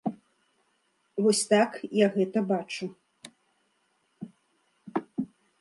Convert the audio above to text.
Вось так я гэта бачу.